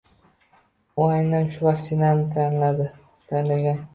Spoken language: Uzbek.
U aynan shu vaksinani tanlagan.